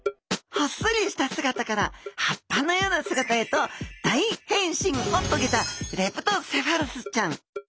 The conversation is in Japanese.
ほっそりした姿から葉っぱのような姿へと大変身を遂げたレプトセファルスちゃん。